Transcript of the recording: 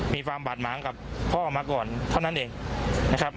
มีความบาดหมางกับพ่อมาก่อนเท่านั้นเองนะครับ